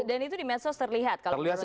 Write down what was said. dan itu di medsos terlihat kalau menurut anda